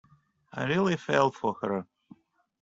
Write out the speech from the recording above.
I really fell for her.